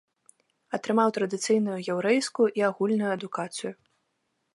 Атрымаў традыцыйную яўрэйскую і агульную адукацыю.